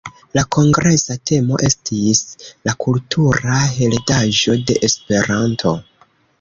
La kongresa temo estis: la kultura heredaĵo de Esperanto.